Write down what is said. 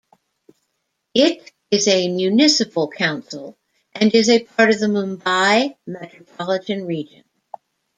It is a municipal council and is a part of the Mumbai Metropolitan Region.